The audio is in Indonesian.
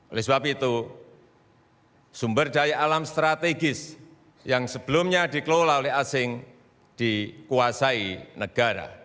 oleh sebab itu sumber daya alam strategis yang sebelumnya dikelola oleh asing dikuasai negara